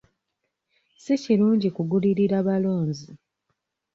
Si kirungi kugulirira balonzi.